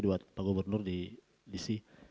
buat pak gubernur di dc